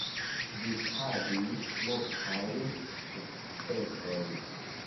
Vi havis multajn sukcesojn.